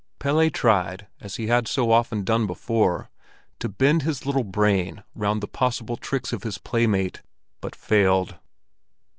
Pelle tried, as he had so often done before, to bend his little brain round the possible tricks of his playmate, but failed.